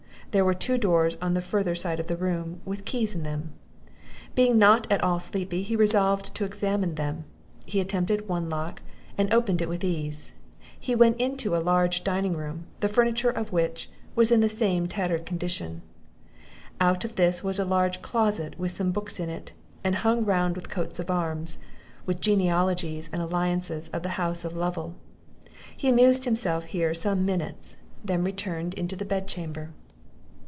There were two doors on the further side of the room, with keys in them; being not at all sleepy, he resolved to examine them; he attempted one lock, and opened it with ease; he went into a large dining room, the furniture of which was in the same tattered condition; out of this was a large closet with some books in it, and hung round with coats of arms, with genealogies and alliances of the house of Lovel; he amused himself here some minutes, and then returned into the bed chamber.